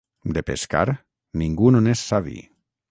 De pescar, ningú no n'és savi.